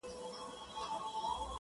ستا د يادونو فلسفې ليكلي.